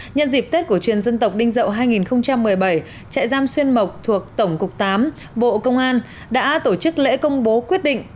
nhân dịp tết cổ truyền dân tộc đinh dậu hai nghìn một mươi bảy trại giam xuyên mộc thuộc tổng cục tám bộ công an đã tổ chức lễ công bố quyết định